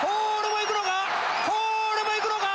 こーれもいくのか？